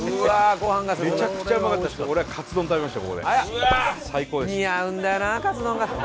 めちゃくちゃうまかったです。